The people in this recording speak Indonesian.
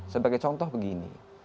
sebagai contoh begini